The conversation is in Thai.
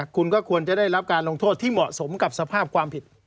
คุณก็ควรจะได้รับการลงโทษที่เหมาะสมกับสภาพความผิด